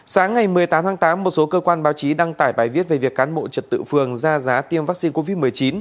sáng ngày một mươi tám tháng tám một số cơ quan báo chí đăng tải bài viết về việc cán bộ trật tự phường ra giá tiêm vaccine covid một mươi chín